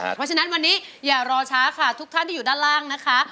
เพราะฉะนั้นวันนี้อย่ารอช้าค่ะทุกท่านที่อยู่ด้านล่างนะคะ